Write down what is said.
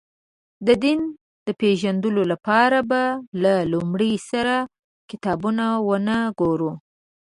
د دین د پېژندلو لپاره به له لومړي سره کتابونه ونه ګورو.